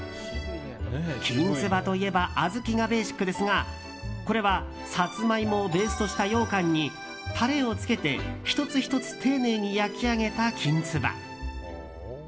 きんつばといえば小豆がベーシックですがこれは、サツマイモをベースとしたようかんにタレをつけて１つ１つ丁寧に焼き上げたきんつば。